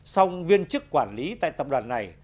song viên chức quản lý tại tập đoàn này